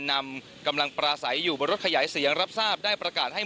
นำกำลังปราศัยอยู่บนรถขยายเสียงรับทราบได้ประกาศให้